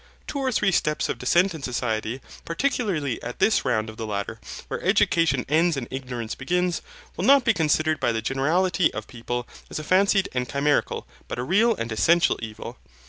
Two or three steps of descent in society, particularly at this round of the ladder, where education ends and ignorance begins, will not be considered by the generality of people as a fancied and chimerical, but a real and essential evil.